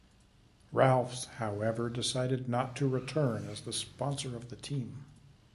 Ralphs however, decided not to return as the sponsor of the team.